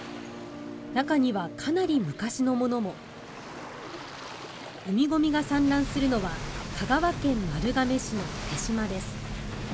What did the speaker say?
中にはかなり昔のものも海ゴミが散乱するのは、香川県丸亀市の手島です。